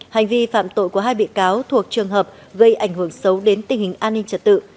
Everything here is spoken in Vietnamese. hành vi phạm tội của hai bị cáo thuộc trường hợp gây ảnh hưởng xấu đến tình hình an ninh trật tự